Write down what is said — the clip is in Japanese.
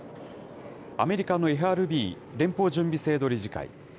アメリカのＦＲＢ・連邦準備制度理事会。